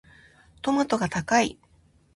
トマトが高い。